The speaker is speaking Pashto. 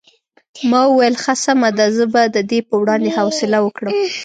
ما وویل ښه سمه ده زه به د دې په وړاندې حوصله وکړم.